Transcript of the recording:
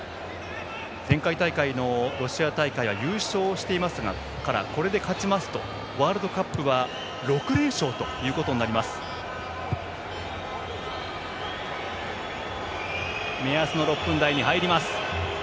前回大会のロシア大会は優勝していますからこれで勝ちますとワールドカップは６連勝ということになります。